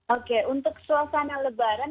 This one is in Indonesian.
oke untuk suasana lebaran